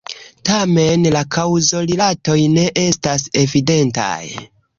Tamen, la kaŭzorilatoj ne estas evidentaj.